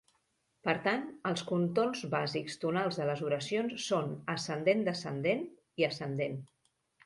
Per tant, els contorns bàsics tonals de les oracions són ascendent-descendent i ascendent.